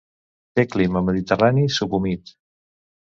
Té clima mediterrani subhumit.